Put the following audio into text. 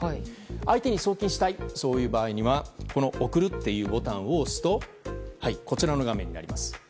相手に送金したいという場合には送るというボタンを押すとこちらの画面になります。